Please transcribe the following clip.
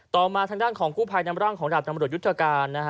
ต่อมาทางด้านของกู้พายร่างของราบตำรวจยุตษการ